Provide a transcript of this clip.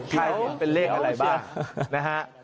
ใครเห็นเป็นเลขอะไรบ้างนะฮะ